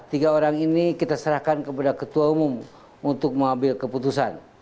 tiga orang ini kita serahkan kepada ketua umum untuk mengambil keputusan